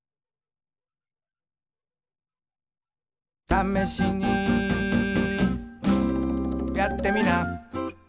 「ためしにやってみな」